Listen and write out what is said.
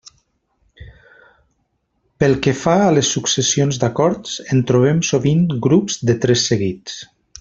Pel que fa a les successions d'acords, en trobem sovint grups de tres seguits.